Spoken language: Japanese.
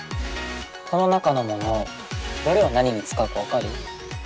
この中のものどれを何に使うか分かる？